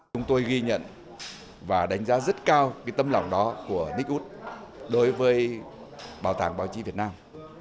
chúng tôi ghi nhận và đánh giá rất cao tâm lòng đó của nick wood đối với bảo tàng báo chí việt nam